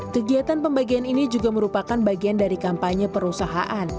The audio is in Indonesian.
kegiatan pembagian ini juga merupakan bagian dari kampanye perusahaan